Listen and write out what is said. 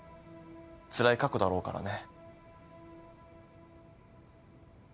つらい過去だろうからね。